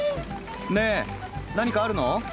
ねえ何かあるの？